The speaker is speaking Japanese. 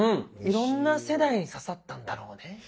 いろんな世代に刺さったんだろうね。